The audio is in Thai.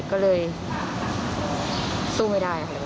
ก็เลยสู้ไม่ได้